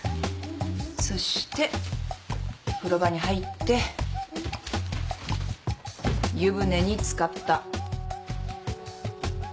そして風呂場に入って湯船に漬かった。